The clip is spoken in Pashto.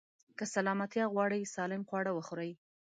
که سلامتيا غواړئ، سالم خواړه وخورئ.